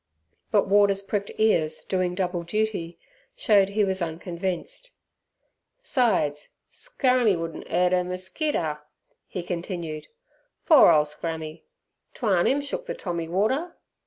But Warder's pricked cars doing double duty showed he was unconvinced. "'Sides, Scrammy wouldn't 'urt er merskeeter," he continued. "Poor ole Scrammy! 'Twarn't 'im shook the tommy, Warder!"